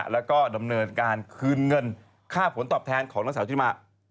แล้วก็ดำเนินการคืนเงินค่าผลตอบแทนของนางสาวที่มา